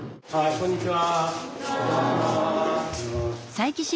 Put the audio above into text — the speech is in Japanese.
こんにちは！